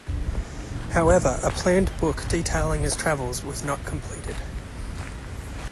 However, a planned book detailing his travels was not completed.